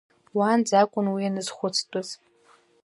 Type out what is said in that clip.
Уаанӡа акәын уи ианазхәыцтәыз.